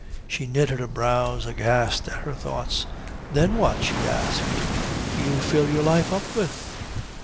She knitted her brows, aghast at her thoughts. "Then what," she asked, "do you fill your life up with?"